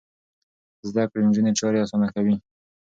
زده کړې نجونې چارې اسانه کوي.